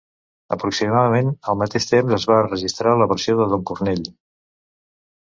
Aproximadament al mateix temps, es va enregistrar la versió de Don Cornell.